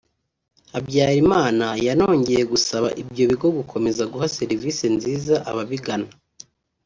Habyarimana yanongeye gusaba ibyo bigo gukomeza guha serivisi nziza ababigana